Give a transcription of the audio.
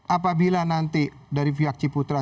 apabila nanti dari pihak ciputra